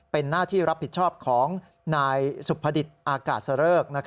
เป็นหน้าที่รับผิดชอบของนายสุภดิษฐ์อากาศสะเริก